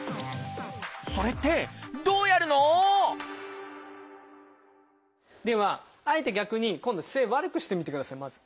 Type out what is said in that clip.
それってどうやるの？ではあえて逆に今度は姿勢を悪くしてみてくださいまず。